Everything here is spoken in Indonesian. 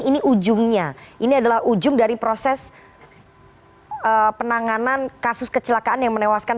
ini ujungnya ini adalah ujung dari proses penanganan kasus kecelakaan yang menewaskan